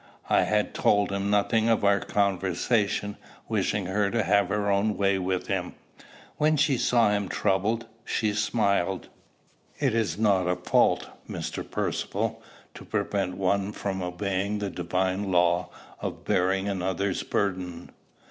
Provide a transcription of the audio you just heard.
I had told him nothing of our conversation, wishing her to have her own way with him. When she saw him troubled, she smiled. "Is it not a fault, Mr. Percivale, to prevent one from obeying the divine law of bearing another's burden?"